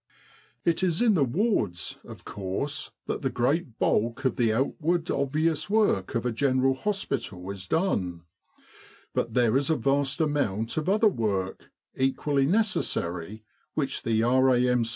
" It is in the wards, of course, that the great bulk of the outward obvious work of a General Hospital is done; but there is a vast amount of other work, equally necessary, which the R.A.M.